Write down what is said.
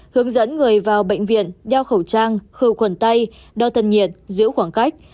hướng dẫn người vào bệnh viện đeo khẩu trang khu quần tay đo tân nhiệt giữ khoảng cách